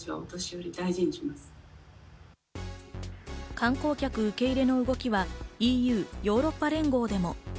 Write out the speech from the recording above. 観光客受け入れの動きは、ＥＵ＝ヨーロッパ連合でも。